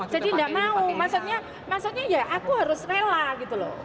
jadi nggak mau maksudnya ya aku harus rela gitu loh